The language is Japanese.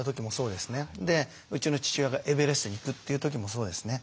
でうちの父親がエベレストに行くという時もそうですね。